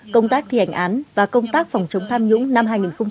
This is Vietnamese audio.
công tác thi hành án và công tác phòng chống tham nhũng năm hai nghìn một mươi chín